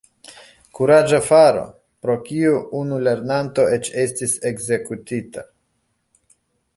Kuraĝa faro, pro kiu unu lernanto eĉ estis ekzekutita.